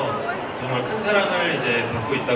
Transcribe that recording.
รู้สึกได้เยอะมากเลยนะครับ